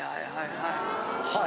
はい。